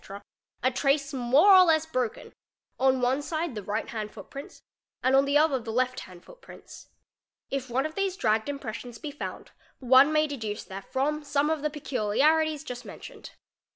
a trace more or less broken, on one side the right hand footprints and on the other the left hand footprints. If one of these dragged impressions be found, one may deduce therefrom some of the peculiarities just mentioned.